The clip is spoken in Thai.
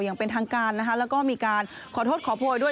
อย่างเป็นทางการนะคะแล้วก็มีการขอโทษขอโพยด้วย